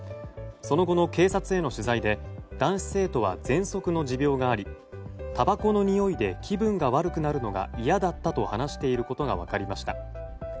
その後の警察への取材で男子生徒はぜんそくの持病がありたばこのにおいで気分が悪くなるのがいやだったと話していることが分かりました。